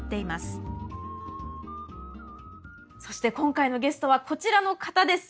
そして今回のゲストはこちらの方です！